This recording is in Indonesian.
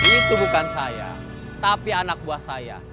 itu bukan saya tapi anak buah saya